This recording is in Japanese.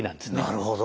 なるほど。